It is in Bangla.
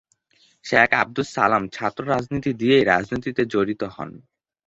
শেখ আবদুস সালাম ছাত্র রাজনীতি দিয়েই রাজনীতিতে জড়িত হন।